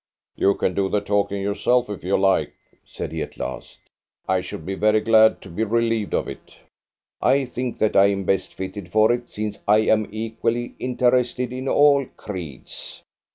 "You can do the talking yourself if you like," said he at last. "I should be very glad to be relieved of it." "I think that I am best fitted for it, since I am equally interested in all creeds.